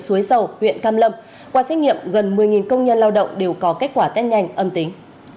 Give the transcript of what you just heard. suối dầu huyện cam lâm qua xét nghiệm gần một mươi công nhân lao động đều có kết quả test nhanh âm tính